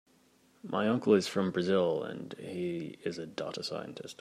My uncle is from Brazil and he is a data scientist.